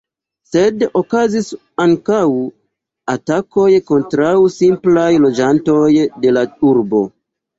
Sed okazis ankaŭ atakoj kontraŭ simplaj loĝantoj de la urbo.